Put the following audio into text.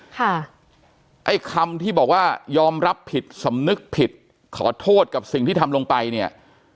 ไอ้คำที่บอกว่ายอมรับผิดสำนึกผิดขอโทษกับสิ่งที่ทำลงไปเนี่ย